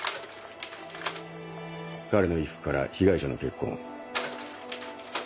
彼の衣服から被害者の血痕。